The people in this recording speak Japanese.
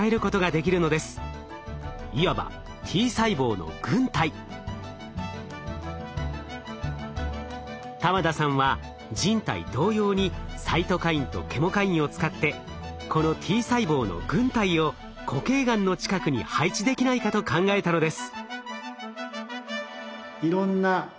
いわば玉田さんは人体同様にサイトカインとケモカインを使ってこのＴ細胞の軍隊を固形がんの近くに配置できないかと考えたのです。